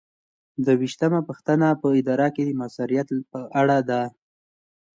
درویشتمه پوښتنه په اداره کې د مؤثریت په اړه ده.